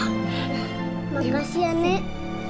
terima kasih ya nek